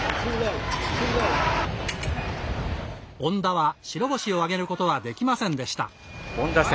恩田は白星を挙げることができませんでした。